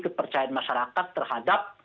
kepercayaan masyarakat terhadap